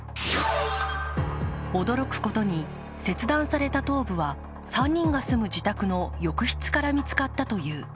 驚くことに、切断された頭部は３人が住む自宅の浴室から見つかったという。